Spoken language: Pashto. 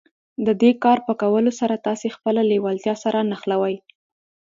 د دې کار په کولو سره تاسې خپله لېوالتیا سره نښلوئ.